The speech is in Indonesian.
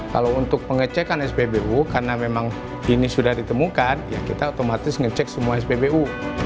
kalau untuk pengecekan spbu karena memang ini sudah ditemukan ya kita otomatis ngecek semua spbu